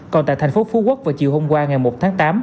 còn tại thành phố phú quốc vào chiều hôm qua ngày một tháng tám